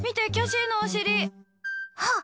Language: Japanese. あっ！